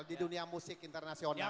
di dunia musik internasional